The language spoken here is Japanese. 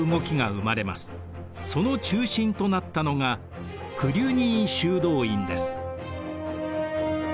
その中心となったのがクリュニー修道院です。